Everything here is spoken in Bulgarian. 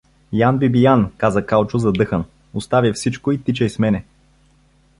— Ян Бибиян — каза Калчо задъхан, — оставяй всичко и тичай с мене!